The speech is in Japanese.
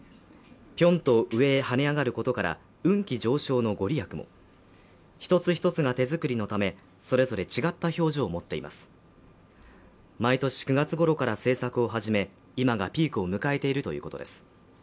ぴょんと上跳ね上がることから運気上昇のご利益も一つ一つが手作りのためそれぞれ違った表情を持っています毎年９月頃から制作を始め今がピークを迎えているということです